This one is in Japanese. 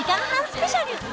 スペシャル